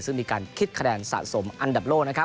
ซึ่งมีการคิดคะแนนสะสมอันดับโลกนะครับ